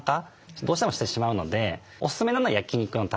どうしてもしてしまうのでおすすめなのは焼肉のたれ。